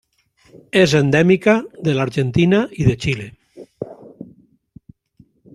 És endèmica de l'Argentina i de Xile.